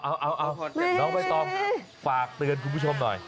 เอาน้องใบตองฝากเตือนคุณผู้ชมหน่อย